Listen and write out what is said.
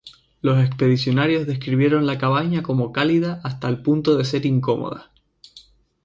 Los expedicionarios describieron la cabaña como cálida hasta el punto de ser incómoda.